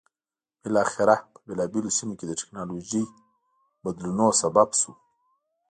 بالاخره په بېلابېلو سیمو کې د ټکنالوژیکي بدلونونو سبب شو.